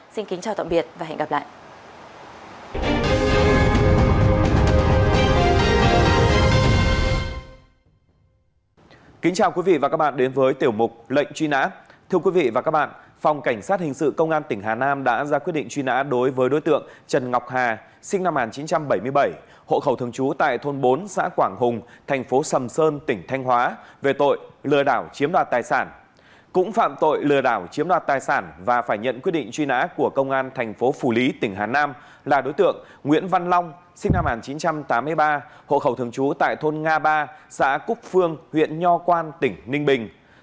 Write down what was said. xin kính chào tạm biệt và hẹn gặp lại